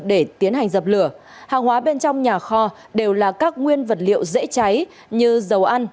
để tiến hành dập lửa hàng hóa bên trong nhà kho đều là các nguyên vật liệu dễ cháy như dầu ăn